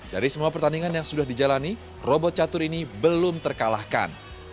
dari semua pertandingan yang sudah dijalani robot catur ini belum terkalahkan